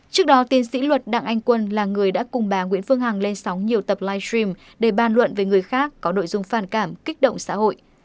trước đó tiến sĩ luật đặng anh quân là người đã cùng bà nguyễn phương hằng lên sóng nhiều tập live stream để bàn luận về người khác có nội dung phản cảm kích động xã hội